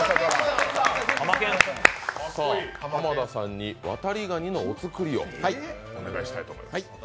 濱田さんにわたりがにのお造りをお願いしたいと思います。